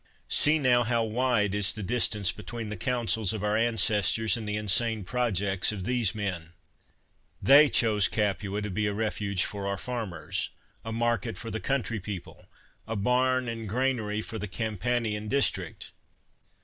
See, now, how wide is the distance between the counsels of our ancestors and the insane projects of these men. They chose Capua to be a refuge for our farmers, a market for the coun try people, a bam and granary for the Cam panian district.